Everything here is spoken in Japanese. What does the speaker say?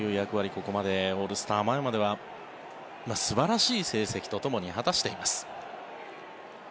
ここまでオールスター前までは素晴らしい成績とともに果たしています。